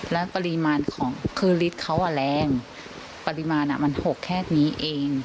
แล้วปริมาณของคือฤทธิ์เขาแรงปริมาณมัน๖แค่นี้เอง